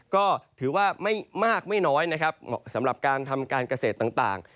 ก็ถือว่าไม่มากไม่น้อยสำหรับการทำการเกษตรต่าง